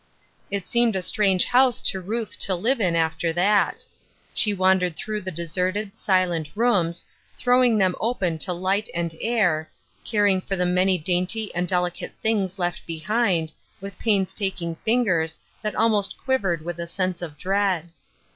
It seemed a strange house to Ruth to live in after that. She wandered through the deserted, silent rooms, throwing them open to light and air, caring for the many dainty and delicate things left behind, with painstaking fingers that almost quivered with a sense of dread.